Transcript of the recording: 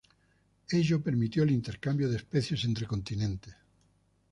Ello permitió el intercambio de especies entre continentes.